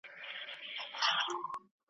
تاته د وامق او د عذراغوغا یادیږي؟